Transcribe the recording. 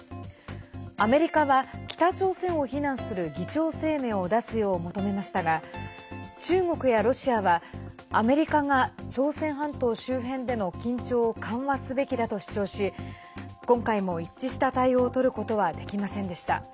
アメリカは北朝鮮を非難する議長声明を出すよう求めましたが中国やロシアはアメリカが、朝鮮半島周辺での緊張を緩和すべきだと主張し今回も一致した対応をとることはできませんでした。